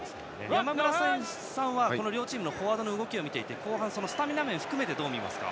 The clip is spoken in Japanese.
山村さんは両チームのフォワードの動きを見て後半、スタミナ面含めてどう見ますか？